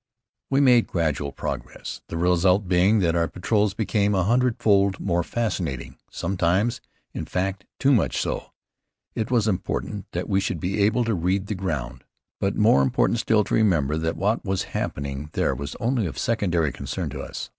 We made gradual progress, the result being that our patrols became a hundred fold more fascinating, sometimes, in fact, too much so. It was important that we should be able to read the ground, but more important still to remember that what was happening there was only of secondary concern to us.